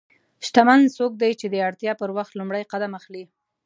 شتمن څوک دی چې د اړتیا پر وخت لومړی قدم اخلي.